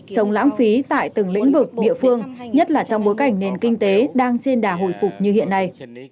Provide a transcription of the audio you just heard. chống lãng phí tại từng lĩnh vực địa phương nhất là trong bối cảnh nền kinh tế đang trên đà hồi phục như hiện nay